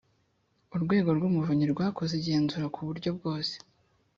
urwego rw umuvunyi rwakoze igenzura ku buryo bwose